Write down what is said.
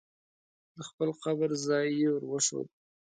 د خپل قبر ځای یې ور وښود.